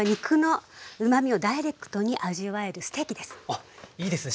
あっいいですね。